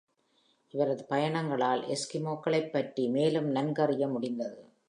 இவரது பயணங்களால் எஸ்கிமோக்களைப்பற்றி மேலும் நன்கறிய முடிந்தது.